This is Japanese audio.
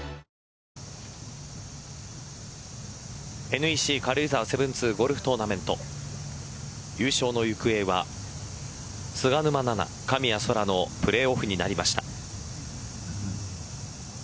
ＮＥＣ軽井沢７２ゴルフトーナメント優勝の行方は菅沼菜々、神谷そらのプレーオフになりました。